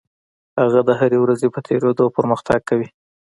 هغه د هرې ورځې په تېرېدو پرمختګ کوي.